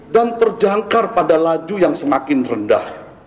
dan terjangkar pada laju yang semakin rendah